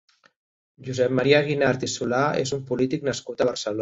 Josep Maria Guinart i Solà és un polític nascut a Barcelona.